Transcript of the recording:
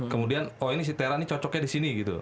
kemudian oh ini si tera ini cocoknya disini gitu